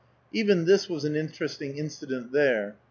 Even this was an interesting incident there.